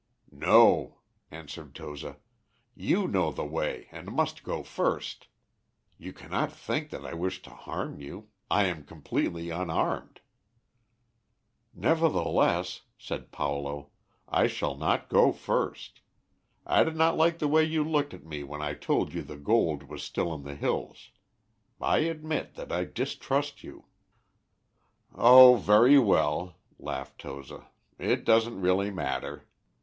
"No," answered Toza; "you know the way, and must go first. You cannot think that I wish to harm you I am completely unarmed. "Nevertheless," said Paulo, "I shall not go first. I did not like the way you looked at me when I told you the gold was still in the hills. I admit that I distrust you." "Oh, very well," laughed Toza, "it doesn't really matter."